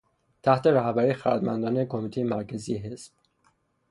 تحت رهبری خردمندانه کمیتهٔ مرکزی حزب